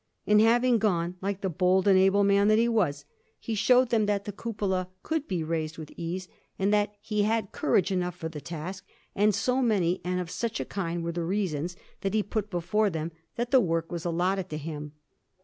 And having gone, like the bold and able man that he was, he showed them that the cupola could be raised with ease, and that he had courage enough for the task; and so many, and of such a kind, were the reasons that he put before them, that the work was allotted to him.